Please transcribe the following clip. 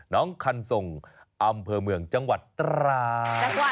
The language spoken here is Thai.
น้องคันส่งอำเภอเมืองจังหวัดตราด